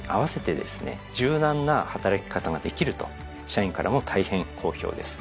柔軟な働き方ができると社員からも大変好評です。